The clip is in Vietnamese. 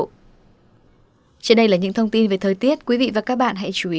trên đây là những thông tin về thời tiết quý vị và các bạn hãy chú ý